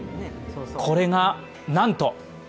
これがなんと！